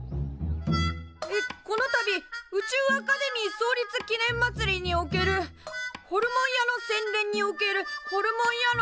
えっ「このたび宇宙アカデミー創立記念まつりにおけるホルモン屋の宣伝におけるホルモン屋の宣伝」。